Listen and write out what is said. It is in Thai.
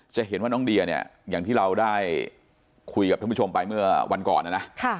จะเห็นว่าน้องเดียเนี่ยอย่างที่เราได้คุยกับท่านผู้ชมไปเมื่อวันก่อนนะนะ